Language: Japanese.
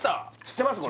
知ってます？